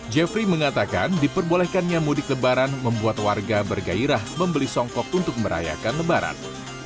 jeffrey mengatakan diperbolehkannya mudik lebaran membuat warga bergairah membeli songkok untuk merayakan lebaran